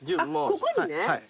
ここにね。